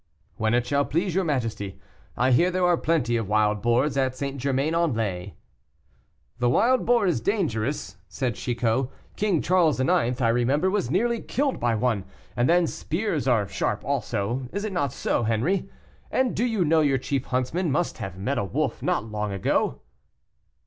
"When it shall please your majesty; I hear there are plenty of wild boars at St. Germain en Laye." "The wild boar is dangerous," said Chicot; "King Charles IX., I remember, was nearly killed by one. And then spears are sharp also; is it not so, Henri? and do you know your chief huntsman must have met a wolf not long ago?"